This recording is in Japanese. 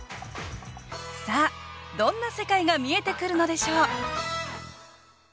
さあどんな世界が見えてくるのでしょう？